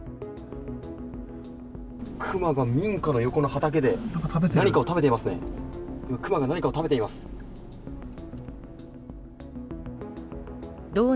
クマが民家の横の畑で何かを食べていますね。